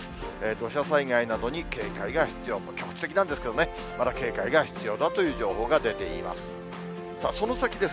土砂災害などに警戒が必要と、局地的なんですけどね、まだ警戒が必要だという情報が出ています。